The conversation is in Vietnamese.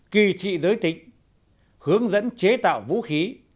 kỳ thị giới tính hướng dẫn chế tạo vũ khí